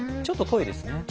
ちょっと遠いですね。